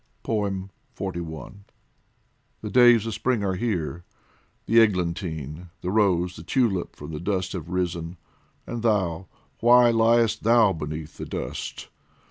XLI THE days of Spring are here ! the eglantine, The rose, the tulip from the dust have risen And thou, why liest thou beneath the dust